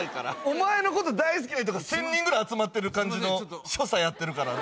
お前のこと大好きな人が１，０００人ぐらい集まってる感じの所作やってるから。